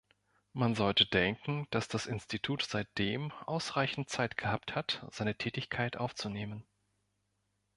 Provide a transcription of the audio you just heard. Man sollte denken, dass das Institut seitdem ausreichend Zeit gehabt hat, seine Tätigkeit aufzunehmen.